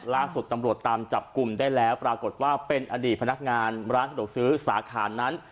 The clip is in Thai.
ล่าสุดตำรวจตามจับกลุ่มได้แล้วปรากฏว่าเป็นอดีตพนักงานร้านสะดวกซื้อสาขานั้น